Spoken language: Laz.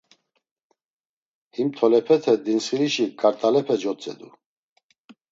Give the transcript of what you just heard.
Him tolepete dintsxirişi kart̆alepe cotzedu.